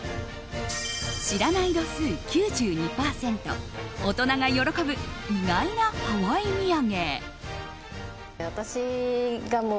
知らない度数、９２％大人が喜ぶ、意外なハワイ土産。